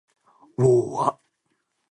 を―あ